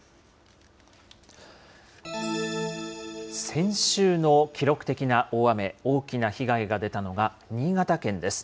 先週の記録的な大雨、大きな被害が出たのが新潟県です。